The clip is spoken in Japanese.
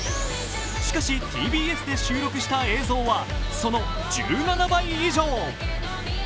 しかし、ＴＢＳで収録した映像はその１７倍以上。